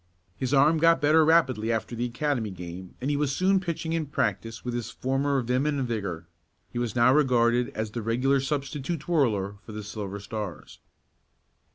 His arm got better rapidly after the Academy game, and he was soon pitching in practice with his former vim and vigor. He was now regarded as the regular substitute twirler for the Silver Stars.